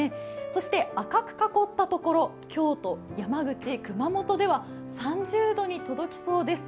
そして赤く囲った所、京都、山口、熊本では３０度に届きそうです。